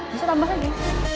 bisa tambah lagi